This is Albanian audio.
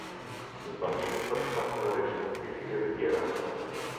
Zbatimi përshtatshmërisht i ligjeve tjera.